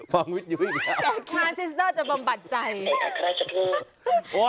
ฟังวิทยูอีกแล้วอย่าขาดเพ้อ